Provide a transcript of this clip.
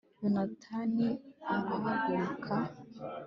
yonatani arahaguruka